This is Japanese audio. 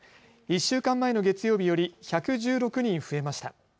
１週間前の月曜日より１１６人増えました。